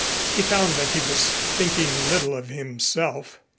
He found that he was thinking little of himself.